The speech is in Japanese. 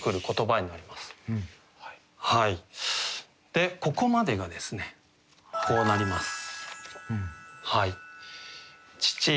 でここまでがですねこうなります。